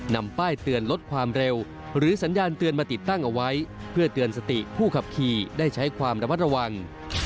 นำป้ายเตือนลดความเร็วหรือสัญญาณเตือนมาติดตั้งเอาไว้เพื่อเตือนสติผู้ขับขี่ได้ใช้ความระมัดระวัง